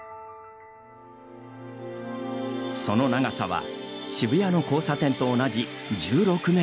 その長さは渋谷の交差点と同じ１６メートル。